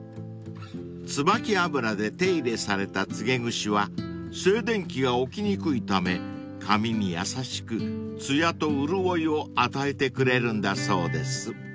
［つばき油で手入れされたつげぐしは静電気が起きにくいため髪に優しくつやと潤いを与えてくれるんだそうです］